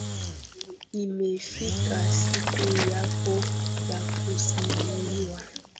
Imefika siku yako ya kusimuliwa.